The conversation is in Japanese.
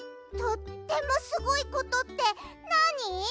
とってもすごいことってなに？